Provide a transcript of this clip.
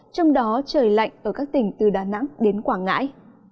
trong đó trời lạnh ở các tỉnh từ đà nẵng đến quảng ngãi